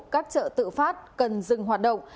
các chợ tự phát cần dừng hoạt động